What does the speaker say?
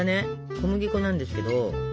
小麦粉なんですけど。